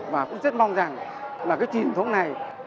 và cũng rất mong rằng là cái truyền thống này